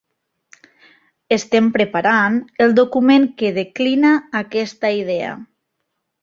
Estem preparant el document que declina aquesta idea.